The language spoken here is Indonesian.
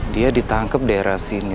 dia ditangkep daerah sini